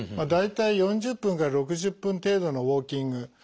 大体４０分から６０分程度のウォーキング。